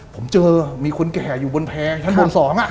ผมเจอมีคนแก่อยู่บนแพงโซง